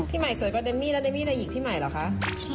พี่ใหม่สวยกว่าเดมมี่แล้วเมมี่ในหญิงพี่ใหม่เหรอคะ